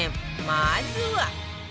まずは